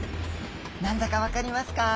何だかわかりますか？